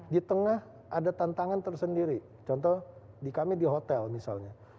di tengah ada tantangan tersendiri contoh di kami di hotel misalnya